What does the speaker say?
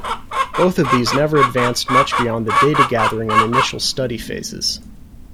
Both of these never advanced much beyond the data gathering and initial study phases.